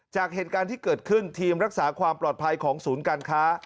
จากเหตุการณ์ที่เกิดขึ้นทีมรักษาความปลอดภัยของศูนย์การค้า